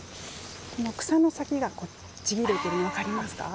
草の先がちぎれているのが分かりますか？